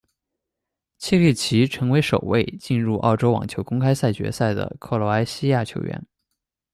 契利奇成为首位进入澳洲网球公开赛决赛的克罗埃西亚球员。